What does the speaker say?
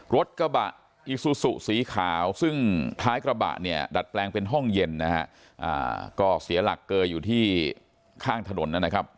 รถกระบะอีซูซูสีขาวซึ่งท้ายกระบะเนี่ยดัดแปลงเป็นห้องเย็นนะฮะก็เสียหลักเกยอยู่ที่ข้างถนนนะครับ